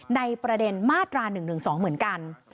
ในประเด็นมาตรา๑๑๒เหมือนกัน